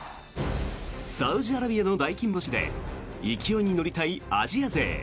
サウジアラビアの大金星で勢いに乗りたいアジア勢。